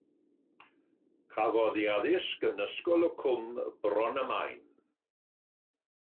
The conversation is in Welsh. Cafodd ei addysg yn Ysgol y Cwm, Bron y Maen.